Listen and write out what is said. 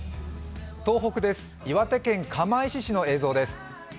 東北です、岩手県釜石市の映像です。